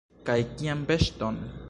Kaj kian veŝton?